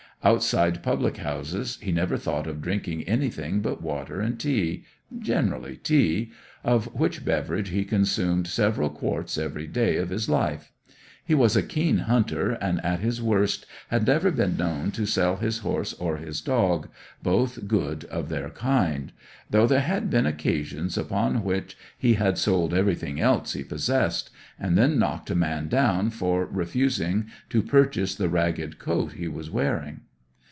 Outside public houses, he never thought of drinking anything but water and tea, generally tea, of which beverage he consumed several quarts every day of his life. He was a keen hunter, and at his worst had never been known to sell his horse or his dog, both good of their kind; though there had been occasions upon which he had sold everything else he possessed, and then knocked a man down for refusing to purchase the ragged coat he was wearing.